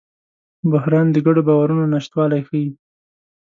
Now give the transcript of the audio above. بحران د ګډو باورونو نشتوالی ښيي.